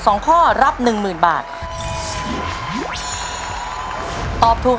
ใช่นักร้องบ้านนอก